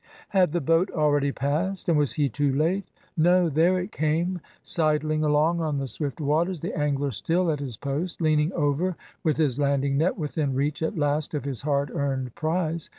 Had the boat already passed, and was he too late! No; there it came, sidling along on the swift waters, the angler still at his post, leaning over with his landing net, within reach at last of his hard earned prize.